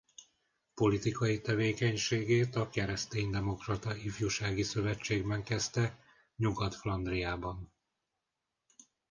Politikai tevékenységét a kereszténydemokrata ifjúsági szövetségben kezdte Nyugat-Flandriában.